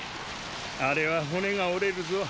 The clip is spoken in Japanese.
あれは骨が折れるぞ。